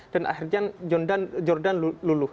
dan akhirnya jordan luluh